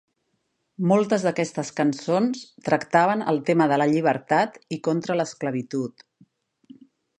Moltes d'aquestes cançons tractaven el tema de la llibertat i contra l'esclavitud.